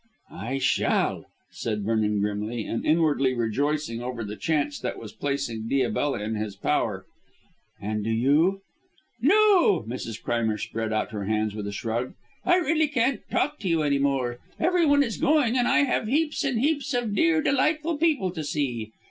"I shall," said Vernon grimly, and inwardly rejoicing over the chance that was placing Diabella in his power. "And do you " "No." Mrs. Crimer spread out her hands with a shrug. "I really can't talk to you any more. Everyone is going and I have heaps and heaps of dear, delightful people to see.